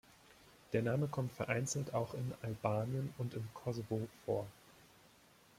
Der Name kommt vereinzelt auch in Albanien und im Kosovo vor.